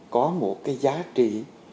có một cái giá trị